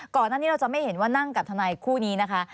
ก่อนหน้านี้เราจะไม่เห็นว่านั่งกับทนายคู่นี้นะคะ